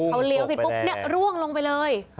เขาเลี้ยวผิดปุ๊บเนี่ยร่วงลงไปเลย